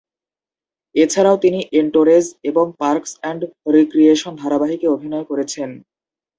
এছাড়াও তিনি "এনটোরেজ" এবং "পার্কস অ্যান্ড রিক্রিয়েশন" ধারাবাহিকে অভিনয় করেছেন।